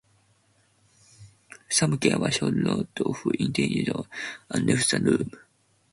Sam gave a short nod of intelligence, and left the room.